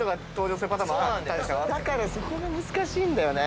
だからそこが難しいんだよね。